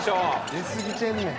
出すぎてんねん。